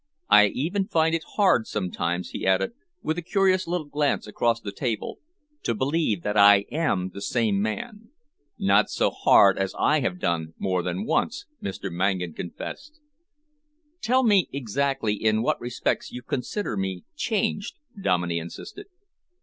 I even find it hard sometimes," he added, with a curious little glance across the table, "to believe that I am the same man." "Not so hard as I have done more than once," Mr. Mangan confessed. "Tell me exactly in what respects you consider me changed?" Dominey insisted.